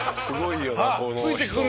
ついてくる？